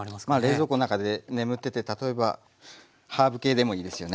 冷蔵庫中で眠ってて例えばハーブ系でもいいですよね。